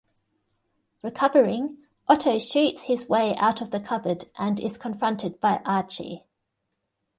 Recovering, Otto shoots his way out of the cupboard and is confronted by Archie.